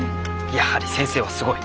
やはり先生はすごい！